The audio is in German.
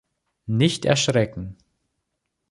Nicht erschrecken!